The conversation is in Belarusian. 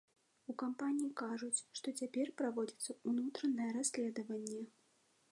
У кампаніі кажуць, што цяпер праводзіцца ўнутранае расследаванне.